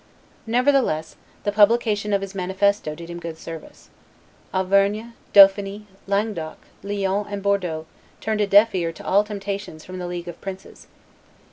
Nevertheless, the publication of his manifesto did him good service. Auvergne, Dauphiny, Languedoc, Lyon and Bordeaux turned a deaf ear to all temptations from the league of princes.